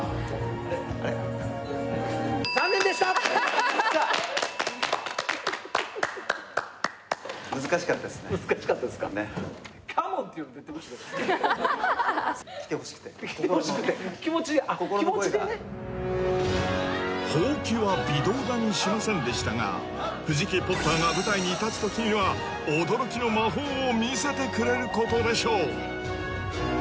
あれっあれっ難しかったですか心の心の声が来てほしくて気持ち気持ちでねほうきは微動だにしませんでしたが藤木ポッターが舞台に立つ時には驚きの魔法を見せてくれることでしょう